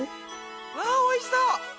わおいしそう！